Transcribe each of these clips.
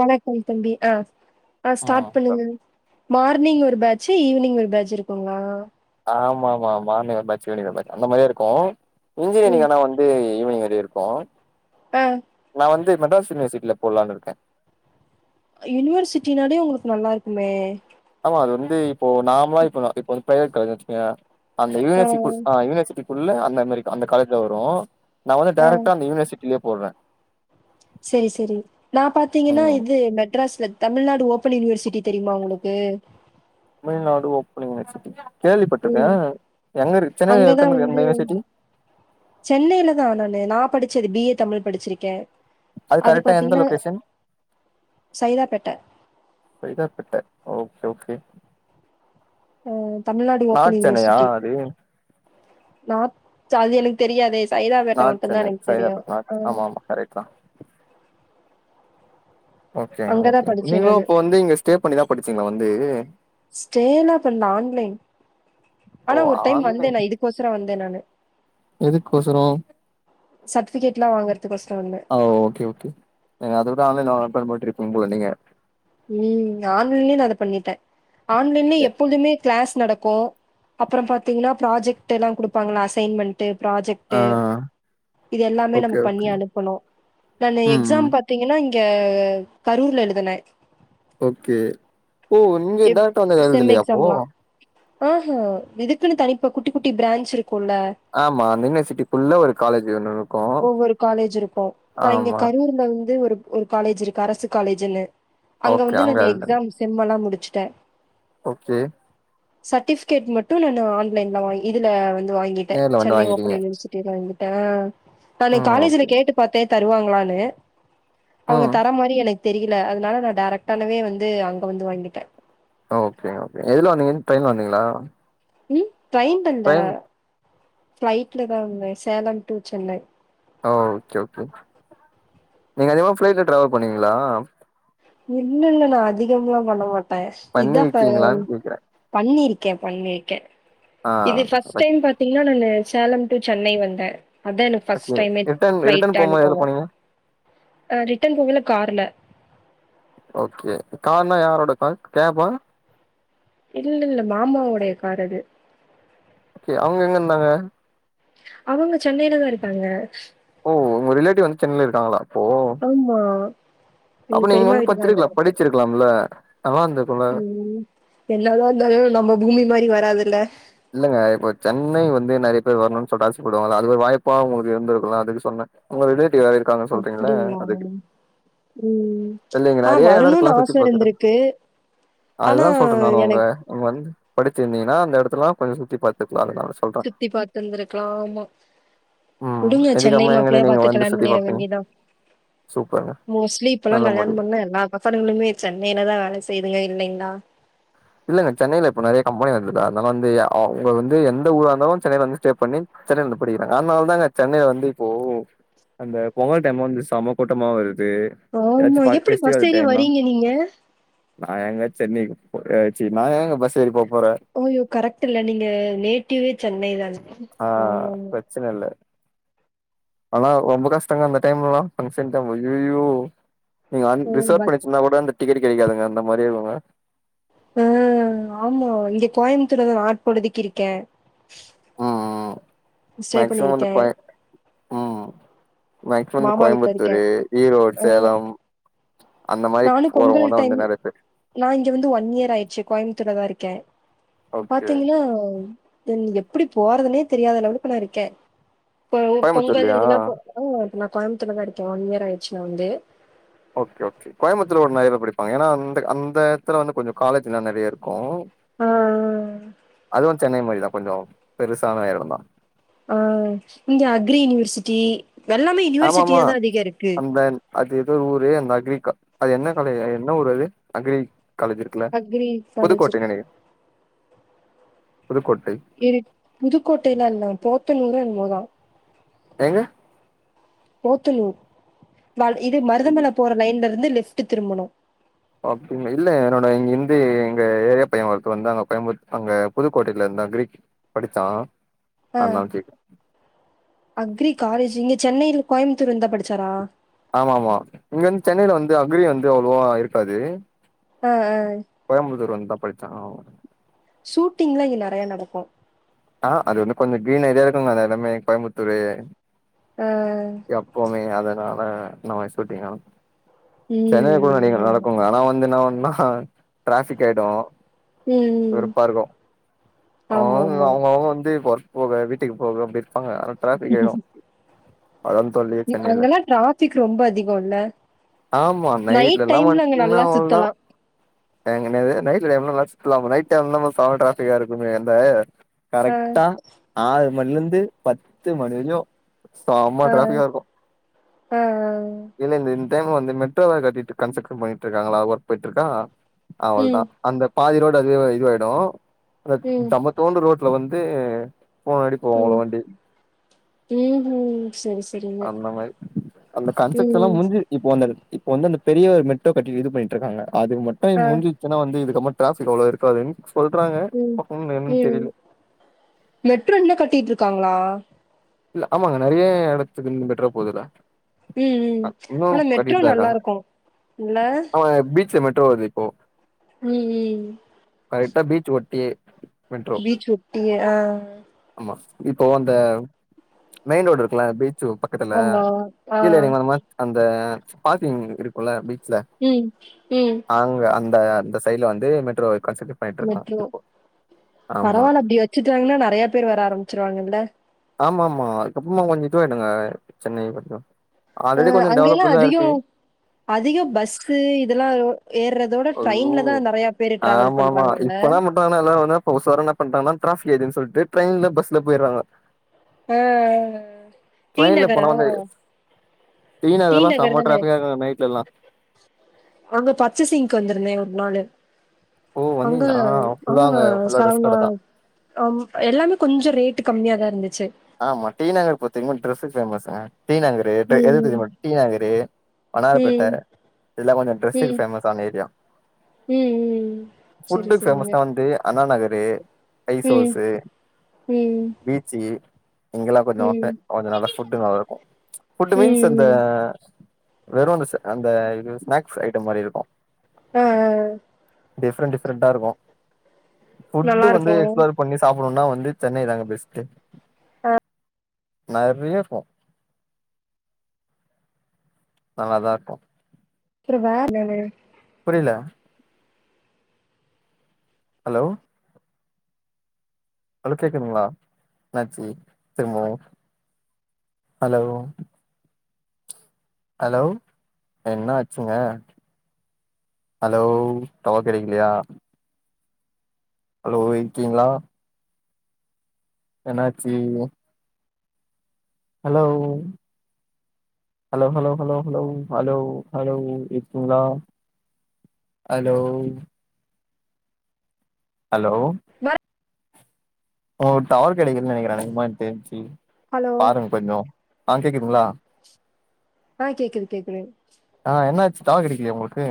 வணக்கம் தம்பி ஆ ஆ ம் ஸ்டார்ட் பண்ணுங்க மார்னிங் ஒரு பேட்சு ஈவினிங் ஒரு பேட்சு இருக்குங்களா ஆமா ஆமா ஆமா நீங்க பேஜ் வீடியோல பாத் அந்த மாரியு இருக்கும் இன்ஜினியரிங் ம் ஆனா வந்து ஈவினிங் வரி இருக்கும் ஆ மெட்ராஸ் யூனிவர்சிட்டில போட்லானு இருக்க யூனிவர்சிட்டினாலயே உங்களுக்கு நல்லா இருக்குமே அது வந்து இப்போ நாமளா இப்ப வ இப்ப வந்து பிரைவேட் காலே வச்சுகயேன் அந்த யூனசிக்கு ஆ யூனிவர்சிட்டி உள்ள அந்த மாரி அந்த காலேஜ்ல வரும் நா வந்து ஆ டேரக்டா அந்த யூனிவர்சிட்டிலே போடுறேன் செரி செரி நா பாத்தீங்கன்னா ம் இது மெட்ராஸ்ல தமிழ்நாடு ஓபன் யூனிவர்சிட்டி தெரியுமா உங்களுக்கு தமிழ்நாடு ஓப்பன் யூனிவர்சிட்டி கேள்விப்பட்டிருக்க ம் எங்க இருக்கு சென்னைல அங்கதான் ஒர்க்கம்ன வந்து எந்த யூனிவர்சிட்டி சென்னையில தா நானு நா படிச்சது பிஏ தமிழ் படிச்சிருக்கேன் அது கரெக்டா எந்த location Saidapet Saidapet okay okay ம் தமிழ்நாடு ஓபன் நார்த் சென்னையா யூனிவர்சிட்டி அது நா சாஜ எனக்கு தெரியாதே சைதாப்பேட்ட நார்த் மட்டுந்தா சென்னை எனக்கு தெரியும் சைதாப்பேட் நார்த் ஆ ஆமா ஆமா கரெக்ட் தா ஓகேங்க அங்கதான் ஓகே படிச்சேன் நீங்களும் நானு இப்ப வந்து இங்க ஸ்டே பண்ணிதா படிச்சீங்களா வந்து ஸ்டேலா பண்ல ஆன்லைன் ஆனா ஓ ஒரு டைம் வந்தே நா இதுக்கோசரோ வந் எதுக்கொசரம் சர்டிஃபிகேட்லாம் வாங்குறதுக்கோசரம் வந்தேன். ஆ ஓகே ஓகே நீங்க அத விட ஆன்லைன நோட் பண்ணி போட்ருப்பீங்க போல நீங்க ம் ஆன்லைன்லயே நா அத பண்ணிட்ட ஆன்லைன்ல எப்பொழுதுமே கிளாஸ் நடக்கும் அப்ரோ பாத்தீங்கன்னா ப்ராஜெக்ட் எல்லாம் குடுப்பாங்களா அசைன்மென்ட் ஆ ப்ராஜெக்ட் இது எல்லாமே நம்ம ஓகே பண்ணி ஓகே அனுப்பணும் நானு ம் ம் எக்ஸாம் பாத்தீங்கன்னா கா கரூர்ல எழுதனே ஓகே ஓ நீங்க ட்ராக்டர் வந்து எழுதல அப்போ ஆ ஹே இதுக்குன்னு தனிப்பா குட்டி குட்டி பிரான்ஷ் இருக்கு ஆமா அந்த யூனிவர்சிட்டிக்குள்ள ஒரு காலேஜ் ஒன்னு ஒவ்வொரு காலேஜ் இருப்போம் நான் இங்க கரூர்ல வந்து ஒரு ஒரு காலேஜ் இருக்கு அரசு காலேஜ்ன்னு அங்க ஓகே வந்து நான் எழுதுன எக்ஸாம் செம் எல்லாம் முடிச்சுட்ட ஓகே சர்ட்டிபிஃகேட் மட்டு நானு ஆன்லைன்ல வாங்கி இதுல வந் து வாங்கிட்டே நேர்ல வந்து சென்னை ஓபன் வாங்கிட்டீங்க யூனிவர்சிட்டில வாங்கிட்டே ஆ நா ம் ஓகே காலேஜ்ல கேட்டு பாத்தே தருவாங்ளான்னு அவுங்க ம் தர மாரி எனக் தெரியில அதனால நா டைரக்டானவே வந்து அங்க வந்து வாங்கிட்டே ஓகேங்க ஓகேங்க எதுல வந்திங்கன் ட்ரெயின்ல வந்தீங்களா ம் ட்ரெயின்ல இல்ல ட்ரெயின் ஃப்ளைட்லதா வந்தே Salem to Chennai okay okay நீங்க அதிகமா ஃபிளைட்ல டிராவெல் பண்ணுவீங்ளா இல்ல இல்ல நா அதிகம்லா பண்ண மாட்டே இதா ஃப பண்ணிருக்கீங்களான்னு கேக்குறே பண்ணிருக் க்கே பண்ணிருக்கே ஆ இது ஃபஸ்ட் டைம் பாத்தீங்னா நானு சேலம் டு சென்னை வந்தே அதா எனக்கு ஃபஸ்ட் ஓகே டைமே ரிட்டன் ரிட்டன் ஃப்ளைட் போம்போது எதுல அனுபவ போனீங்க ஆ ரிட்டன் போகைல கார்ல ஓகே கார்னா யாரோட கார் கேஃபா இல்ல இல்ல மாமாவுடைய கார் அது ஓகே அவுங்க எங்க இந்தாங்க அவுங்க சென்னைலதா இருக்காங்க ஓ ஒங்க ரிலேட்டிவ் வந்து சென்னைல இருக்காங்ளா ஆம்மா அப்ப நீங்க வந்து பத்துருக்லா படிச்சிருக்கலாம்ல நல்லா இருந்திருக்குல்ல உம் என்னதா இந்தாலு நம்ம பூமி மாரி வராதுல்ல இல்லங்க இப்ப சென்னை வந்து நெறையப் பேர் வர்ணுன் சொல்ட்டு ஆச படுவாங்க இல்ல அதுவே ஒரு வாய்ப்பா உங்களுக்கு இருந்துருக்குலா அதுக்கு சொன்ன ஒங்க ரிலேட்டிவ் யாரோ இருக்காங்கன் சொல்றிங்கில்ல அப்டிங்களா? அதுக்கு ம். இல்ல இங்க ஆ நெறைய எட வரணும்னு இருக்லா ஆச சுத்தி பாக்கற இருந்திருக்கு. ஆனா அதுதா சொல்ற நானு உங்க எனக்கு இங்க வந்து படிச்சிருந்தீனா அந்த இடத்தெல்லா கொஞ்ச சுத்தி பாத்து சுத்தி பாத்திந்திருக்லா ஆமா ம் வுடுங்க சென்னை இதுக்கப்புறமா எங்கருந்து மாப்பிளையா நீங்க பாத்து வந்து கல்யாண் சுத்தி பண்ணிற பாப்பீங்க வேண்டிதா சூப்பர்ங்க மோஸ்லி இப்பலா நல்ல முடிவு கல்யாணம் பண்ண எல்லா பசனங்ளுமே சென்னைலதா வேல செய்துங்க இல்லைங்ளா இல்லங்க சென்னைல இப்ப நெறைய கம்பெனி வந்துல அதனால வந்து எ அவுங்க வந்து எந்த ஊரா இந்தாலு சென்னைல வந்து ஸ்டே பண்ணி சென்னைலந்து படிக்கிறாங்க அத்னால் தாங்க சென்னைல வந்து இப்போ அந்த பொங்கல் டைம் வந்து செம்ம கூட்டமா வரு து எதாச்சு ஆமா. பாக் எப்டி பஸ் ஃபெஸ்டிவல் ஏறி டைம்னா வரீங்க நீங்க? நா ஏங்க சென்னைக்கு போ ஏ சீ நா ஏங்க பஸ் ஏறி போப் ஓயோ கரெக்ட் இல்ல நீங்க நேட்டிவே சென்னைதான ஆ ஆமாமா பிரச்சன இல்ல ஆனா ரொம்ப கஷ்டங்க அந்த டைம்லலா ஃபங்க்ஷன் டைம் அய்யய்யோ நீங்க அன் ஓ! பஸ் ரிசர்வ் பண்ணி வச்சிந்தா கூட அந்த டிகடு கெடைாதுங்க அந்த மாரி இருகுங்க அ ஆமா இங்க கோயமுத்தூர்தா நாட்பொழுதிக்கு இருக்கே ம் ம் ஸ்டே பண்ணிருக்கே உம் மேக்சிமன் வீட்ல இருக்கேன். கோயம்புத்தூரு ஈரோட் அ சேலம் அந்த மாரி நானும் பொங்கல் போறவங்கதா டைம் வந்து நெறைய பேர் நா இங்க வந்து ஒன் இயர் ஆயிர்ச்சு கோயம்த்தூர்லதா இருக்கே ஓகே பாத்தீங்கனா தென் எப்புடி போறதுனே தெரியாத லெவலுக்கு நா இருக்கே இப்போ பொங்கல் கோயம்புத்தூர்லயா இதுலா போ ஆ நா கோயம்த்தூர்லதா இருக்கே ஒன் இயர் ஆயிர்ச்சு நா வந்து ஓக்கே ஓக்கே கோயம்பத்தூர்ல ஒரு நெறைய பேர் படிப்பாங்க ஏனா அந்த அந்த எடத்துல வந்து கொஞ்ச காலேஜ்னா நெறைய இருக்கு ஆ, அதுவு சென்னை மாரிதா கொஞ்ச பெருசான எடந்தா ஆ இங்க அக்ரி யுனிவர்சிட்டி எல்லாமே ஆமாமா யுனிவர்சிட்டியாதா அதிக இருக்கு அந்த அது எதோ ஊரு அந்த அக்ரி கா அது என்ன காலே என்ன ஊர் அது அக்ரி காலேஜ் இருக்குல அக்ரி காலேஜ் புதுக்கோட்டை இருக்கு. நெனைக இருக் புதுக்கோட்டைலா இல்ல போத்தனூறோ என்மோதா எங்க போத்தனூர் வால் இது மருதமல போற லைன்லருந்து லெஃப்ட்டு திரும்பணு அப்டின் இல்ல என்னோட இங்கிந்து எங்க ஏரியா பைய ஒருத்த வந்து அங்க கோயம்புத் அங்க புதுக்கோட்டைலந் அக்ரி படிச்சா அஹ் அதனால கேக் அக்ரி காலேஜ் இங்க சென்னையில கோயம்புத்தூர் வந்துந்தா படிச்சாரா ஆமா ஆமா இங்க வந்து சென்னையில வந்து அக்ரி வந்து அவ்ளவா இருக்காது ஹ் ஹ் படிச்சான் ஆ ஷூட்டிங்லாம் இங்க நிறைய நடக்கும் ஆஹ் அது வந்து கொஞ்சம் கிரீன் ஏரியா இருக்குங்க அ எல்லாமே கோயம்புத்தூரு ஆ எப்பவுமே அதனால நம்ம சூட்டிங் நடக்கும் சென்னையில கூட ம் இங்க ஆமா நடக்குங்க ஆனா வந்து என்னன்னா டிராபிக் ஆயிடும் ம் ம் வெருப்பா இருக்கும் ஆமா அவங்க ஆமா அவங்க அவங்க வந்து போக வீட்டுக்கு போக அப்படி இருப்பாங்க ஆனா ட்ராபிக் ஆயிடும் அதான் தொல்லையே சென்னையில அங்கெல்லாம் டிராபிக் ரொம்ப அதிகம் இல்ல ஆமா நைட்ல எல்லாம் வந்துட்டீன்னா அவ்வளவுதான் சுத்தலா டைம்ல செம டிராபிக்கா இருக்குமே ஆ கரெக்டா ஆறு மணில இருந்து பத்து மணி வரைக்கும் பா ஆ இருக்கும் ஆ ஆ இல்ல இந்த வந்து மெட்ரோ வேர கட்டிட்டு கன்ஸ்ட்ரக்ஷன் பண்ணிட்டு இருக்காங்களா ஒர்க் போயிட்டு இருக்கா அவள ம் தான் அந்த பாதி ரோடு அதுவே இதுவாயிடும் அ ம் தம்மத்தோண்டு ரோட்ல வந்து மூனு அடி போவும் அவ்ளோ வண்டி உம் ம் செரி செரிங்க அந்த மாதிரி அந்த கன்ஸ்ட்ரக்சன் எல்லாம் ம் முடிஞ்சு இப்ப வந்த வந்து அந்த பெரிய மெட்ரோ கட்டி இது பண்ணிட்டு இருக்காங்க அது ஆ மட்டும் முடிஞ்சுச்சுனா வந்து இதுக்கு மட் டிராபிக் அவ்ளோ இருக்காது சொல்றாங்க ம் பாக்கனு என்னன்னு ம் தெரியல மெட்ரோ இன்னு கட்டிட்ருக்காங்களா இல்ல ஆமாங்க நிறைய இடத்துக்கு மெட்ரோ போதுல்ல ம் ம் இன்னும் ஆனா மெட்ரோ கட்டிட்டு தான் இருக்காங்க நல்லாருக்கு இல்ல அவுங்க பீச் மெட்ரோ வருது இப்போ உம் உம் கரெக்டா பீச் ஒட்டியே மெட்ரோ பீச் ஒட்டி ஏ ஆஹ் ஆமா இப்போ அந்த மெயின் ரோடு இருக்குல எப்டி பக்கத்துல ஆமா. ஆ. இல்ல நீங்க அந்த பார்கிங் இருக்கும்ல்ல உம் உம் அந்த அந்த சைட்ல வந்து மெட்ரோ வ மெட்ரோ ஆமா பரவாயில்ல அப்படி வச்சுட்டாங்கன்னா நிறைய பேர் வர ஆரம்பிச்சிருவாங்கல்ல ஆமா ஆமா அதுக்கப்புறமா கொஞ்ச இதுவாய்டுங்க சென்னை ஆல்ரெடி கொஞ்சம் அங்கெல்லாம் டெவலப்ல தான் இருக்கு அதிகம் அதிகம் பஸ் இதெல்லாம் ஏர்ரதோட ட்ரெயின்லதான் நிறைய பேரு டிராவல் பண்றாங்கல்ல இப்போ நா பன்னிட்டாங்கானா எல்லாரும் வந்து உஷாரா நா பண்றாங்கன்னா டிராப்பிக் ஆய்து சொல்லிட்டு ட்ரெயின்ல பஸ்ல போய்ட்றாங்க ஆஹ்ஹ் டீ நகரா டி டீநகர்லாம் நகர் சம தானே? டிராபிக்கா இருக்கும் நைட்லலாம் அங்க பச்ச சிங்க்கு வந்திருந்தேன் ஒரு நாளு ஓ அங்க வந்தீங்களா ஆ ஃபுல்லா அங்க ஃபுல்லா ட்ரெஸ் சால்ணா கட தா எல்லாமே கொஞ்ச ரேட் கம்மியா தான் இருந்துச்சு ஆமா டீ நகர் பாத்தீங்கன ட்ரெஸ் பேமஸ்ங்க டீ நகரு எது ம். தெரியுமா டீநகரு வன்னாரபேட்ட ம். எல்லாம் கொஞ்ச டிரெஸ்க்கு ம். ஃபேமஸ் ஆன ஏரியா ம் ம். சரி, ஃபுட்டு சரிங்க. பேமஸ்ன வந்து அண்ணா நகர் ம். ஐசோசு ம். பீச்சி இங்கெல்லா ம். கொஞ்சோ ம். முட்ட நல்ல ஃபுட்டு நல்லா இருக்கு ஃபுட்டு மீன்ஸ் இந்த ம். வெறு அந்த இது ஸ்நாக்ஸ் ஐட்டம் மாரி இருக் ஆஹ் ஆஹ் டிஃப்ரெண்ட் டிஃப்ரெண்டா இருக்கு நல்லா ஃபுட்டு வந்து இருக்கு அப்றோ எக்ஸ்ப்ளோர் பண்ணி சாப் போனுனா வந்து சென்னை தாங்க பெஸ்ட் ஆ நெறைய இருக்கு நல்லாதா இருக்கு அப்றோ வேற் ‌ என்னது புரில ஹலோ ஹலோ கேக்குதுங்களா என்னாச்சு திரும்பவு ஹலோ ஹலோ என்ன ஆச்சுங்க ஹலோ டவர் கெடக்கலையா ஹலோ இருக்கீங்களா என்னாச்சு hello hello hello hello hello hello hello இருக்கிங்களா ஹலோ ஹலோ வேற உங்களுக்கு டவர் கெடைக்கலனு நெனைக்குற அநேகமா தெரிஞ்சு ஹலோ பாருங்க கொஞ்சோ ஆ கேக்குதுங்களா ஆ கேக்குது கேக்குது ஆ என்னாச்சு டவர் கெடக்கலையா உங்களுக்கு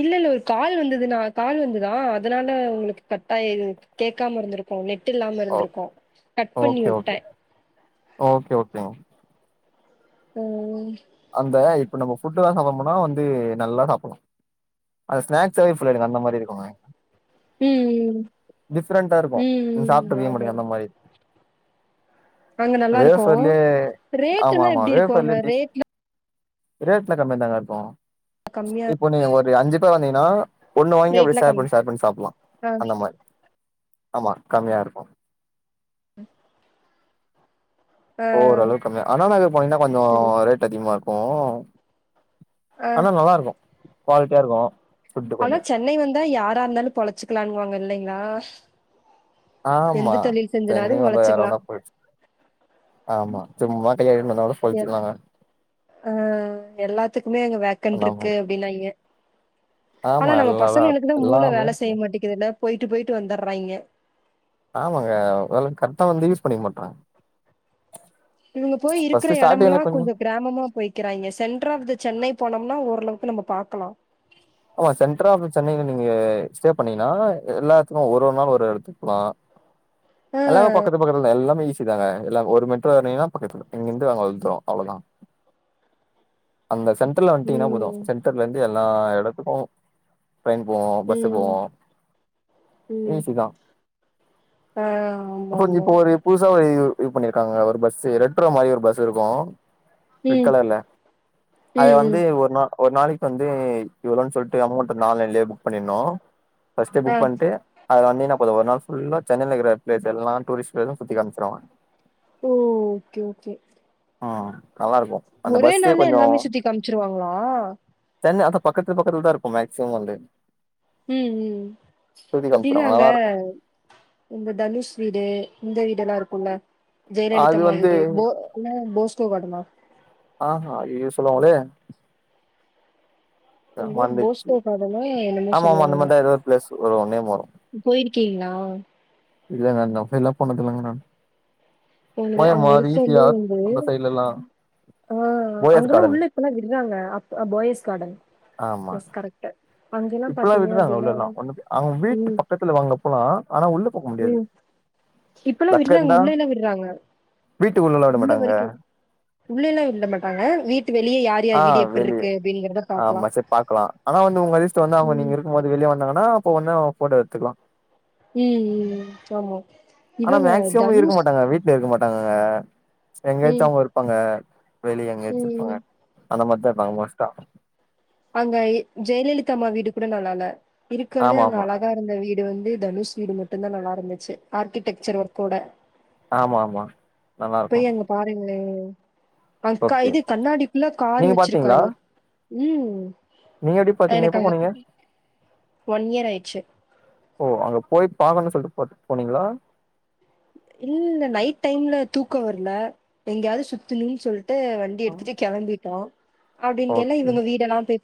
இல்ல இல்ல ஒரு கால் வந்துது நா கால் வந்துதா அதனால உங்களுக்கு கட்டாயி கேக்காம இருந்திருக்கு நெட் இல்லாம ஓ இருந்திருக்கு கட் பண்ணி ஓகே ஓகே உட்ட ஓகே ஓகேங்க உம் அந்த இப்ப நம்ம ஃபுட்டு்ல சாப்ட போனா வந்து நல்லா சாப்ட்லா அது ஸ்நாக்ஸாவே ஃபுல்லாயிடுங்க அந்த மாரி இருக்குங்க ம் ம் டிஃப்ரெண்டா இருக்கு ம் சாப்ட்டுருக்கே ஆமா மாட்டிங்க அந்த மாரி அங்க நல்லா இருக்கு வேஃபர்லே ரேட் ஆமா எல்லா ஆமா எப்டி இருக்கு அங்க வேஃபர்லே டிஃப் ரேட்லா ரேட்ல கம்மிய தாங்க இருக்கு கம்மியா இப்போ நீங்க ஒரு அஞ்சு பேரு வந்தீங்கன்னா ஒண்ணு வாங்கி அப்டே ரேட்லா ஷேர் கம்மி பண்ணி ஷேர் பண்ணி சாப்பலா ஆ அந்த மாரி ஆமா கம்மியா இருக்கு ஆ ஓரளவுக்கு கம்மியா அண்ணாநகர் போனீங்கன்னா கொஞ்சோ சரி ரேட் அதிகமா இருக்கு ஆ அனா நல்லா இருக்கு குவாலிட்டியா இருக்கு ஃபுட்டு ஆனா கொஞ்சோ சென்னை வந்தா யாரா இருந்தாலு பொழச்சுக்கலான் வாங்க இல்லைங்களா எந்த ஆமா தொழில் செஞ்சனாலு சென்னை வந்தா யார் பொழச்சுக்கலா இருந்தாலு பொழச்சுக் ஆமா சும்மா கைய கட்டிட்டு வந்தா கூட பொழச்சுக்கலாங்க ஆஹ் எல்லாத்துக்குமே அங்க வேக்கண்ட் அந்த இருக்கு மாரி அப்டின்னாய்ங்க ஆனா ஆமா நம்ம எல்லா எல்லா பசங்கங்களுக்குதா மூள எல்லாமே வேல இருக்கு செய்ய மாட்டிக்குதுல போயிட்டு போயிட்டு வந்தறாயிங்க ஆமாங்க அதல்லா கரெட்டா வந்து யூஸ் பண்ணிக்க மாட்றாங்க இவுங்க போய் இருக்கற ஃபர்ஸ்ட் எடம்லா ஸ்டார்டிங்ல கொஞ்சோ கிராமமா போய்க்கிறாய்ங்க சென்டர் ஆஃப் த சென்னை போனோம்னா ஓரளவு க்கு நம்ம பாக்கலா ஆமா சென்ட்ர் ஆஃப் சென்னைல நீங்க ஸ்டே பண்ணீங்கனா எல்லாத்துக்கு ஒரு ஒரு நாள் ஒரு எடத்துக்கு போலா எல்லாமே பக்கத்து பக்கத்துல தா எல்லாமே ஈ ஸி தாங்க எல்லா ஒரு மெட்ரோ ஏறினிங்கன்னா பக்கத்துல இங்கிருந்து அங்க வந்துருவோ அவ்ளோதா அந்த சென்டர்ல வன்டிங்கன்னா போது ம். சென்டர்ல இருந்து எல்லா எடத்துக்கு ட்ரெயின் போவு பஸ்ஸு ம். போவு ம். ஈசிதா ஆ அப்போ ஆமாமா. இப்பொ ஒரு புதுசா ஒரு இது பண்ணியிருக்காங்கங்க ஒரு பஸ்ஸு ரெட்ரோ மாரி ஒரு பஸ்ஸு இருக்கு ரெட் ம். கலர்ல அத ம். ம். வந்து ஒரு நா ஒரு நாளைக் வந்து இவ்ளோதான் சொல்ட்டு அமௌண்ட்டு நாலைன்லயே புக் பண்ணிர்னோ ஃபஸ்ட்டே ஆ. புக் பண்ட்டு அதுல வந்தீங்னா போது ஒரு நாள் ஃபுல்லா சென்னைல இக்குற ஹெட் ப்ளேஸ் எல்லா டூரிஸ்ட் இது சுத்தி காமிச்சிருவாங்க ஓ ஓகே ஓகே ஆ நல்லா இருக்கு அந்த ஒரே பஸ்ஸே நாள்ல கொஞ்சொ எல்லாமே சுத்தி காமிச்சுருவாங்களா? சென்ன அதா பக்கத்து பக்கத்துல்தா இருக்கு மேக்சிமம் வந்து ம் ம் சுத்தி [unintelligible] காமிச்சிருவாங்க அங்க நல்லா இருக்கு இந்த தனுஷ் வீடு இந்த வீடல்லா இரு க்குல்ல அது ஜெயலலிதா மா வந்து வீடு போ என்ன போஸ்டோ காடனா ஆஹா ஐ எ சொல்வாங்களே எதோ போஸ்டோ காடனா என்னமோ ஆமா ஆமா அந்த சொல்லுவாங்க மாரிதா ஏதோ ஒரு பிளேஸ் வரு நேம் வரு போயிருக்கீங்ளா இல்லங்க அந்த அஃபைல்லா போனதில்லங்க நான் உங்களு அங்க இருக்கந்து உந்து அந்த சைட்லல்லா ஆ போயஸ் அங்கல்லா கார்டன் உள்ள இப்பல்லா விட்றாங்க அப் அ போயஸ் காடன் ஆமா எஸ் கரெக்ட்டு இப்பல்லா விட்றாங்க உள்ள எல்லா வந்துட்டு அவங்க வீட்டு ம் பக்கத்துல வ அங்க போலா ஆனா உள்ள போக முடியாது ம் இப்பல்லா லக்க விட்றாங்க இருந்தா உள்ள எல்லா விர்றாங்க வீட்டு உள்ளல்லா விட உள்ள மாட்டாங்க வரைக்கு உள்ள எல்லா விட்ல மாட்டாங்க வீட்டு வெளிய யா ஆ வெளிய ஆமா சேர் பாக்கலா ஆனா வந்து உங்க அதிஸ்டொ வந்து அவுங்க ம் நீங்க இருக்கம் போது வெளிய வந்தாங்கன்னா ஆ அப்ப ஒன்னா ஃபோட்டோ எடுத்துக்லா ம் ம் சாமா இவங்க தனூஷ் அங்க எங்கயாச்சு அவ்ங்க இருப்பாங்க வெளிய எங்கயாச்சு ம் இருப்பாங்க அந்த மார்தா இருப்பாங்க மோஸ்ட்டா அங்க இ ஜெயலலிதா அம்மா வீடு கூட நல்லால்ல இருக்கற்லே ஆமா அங்க ஆமா அழகா இருந்த வீ டு வந்து தனுஷ் வீடு மட்டுந்தா நல்லா இருந்துச்சி ஆர்க்கிடெக்சர் ஒர்க்கோட ஆமா ஆமா நல்லா பொய் இருக்கு அங்க பாருங்ளே அக்கா ஓகே இது கண்ணாடிக்குள்ள காரு நீங்க பாத்தீங்களா வச்சிருக்காரு ம் நீங்க எப்டி பாத்தீங்க எனக்கு எப்ப அங்க போனீங்க ஒன் இயர் ஆயிடுச்சு ஓ அங்க போய் பாக்கணு சொல்ட்டு போட்டுட் போனீங்களா இல்லல்ல நைட் டைம்ல தூக்கொ வர்ல எங்கயாது சுத்துணுன் சொல் ட்டு வண்டி எடுத்துட்டு கெளம்பிட்டோ அப்டிங்கெய்ல ஓகே இவங்க வீடெல்லா போய் பா